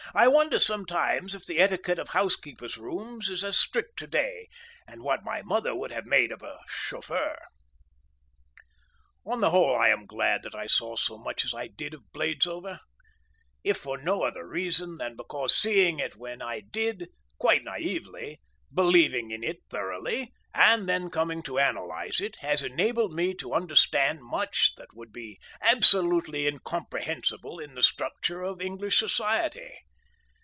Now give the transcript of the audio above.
I wonder sometimes if the etiquette of housekeepers' rooms is as strict to day, and what my mother would have made of a chauffeur.... On the whole I am glad that I saw so much as I did of Bladesover—if for no other reason than because seeing it when I did, quite naively, believing in it thoroughly, and then coming to analyse it, has enabled me to understand much that would be absolutely incomprehensible in the structure of English society.